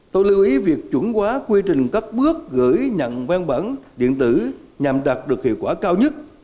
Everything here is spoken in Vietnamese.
tôi lưu ý việc chuẩn quá quy trình các bước gửi nhận văn bản điện tử nhằm đạt được hiệu quả cao nhất